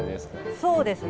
そうですね。